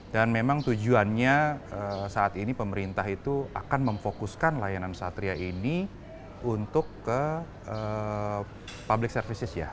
dan memang tujuannya saat ini pemerintah itu akan memfokuskan layanan satria ini untuk ke public services ya